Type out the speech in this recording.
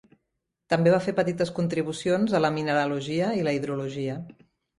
També va fer petites contribucions a la mineralogia i la hidrologia.